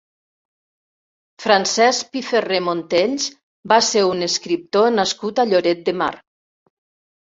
Francesc Piferrer Montells va ser un escriptor nascut a Lloret de Mar.